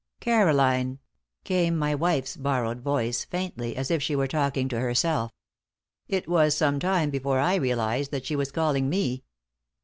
"Caroline," came my wife's borrowed voice, faintly, as if she were talking to herself. It was some time before I realized that she was calling me.